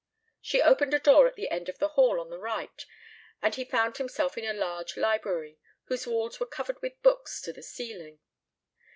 She opened a door at the end of the hall on the right and he found himself in a large library whose walls were covered with books to the ceiling.